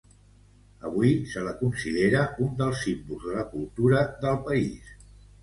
Avui se la considera un dels símbols de la cultura del país.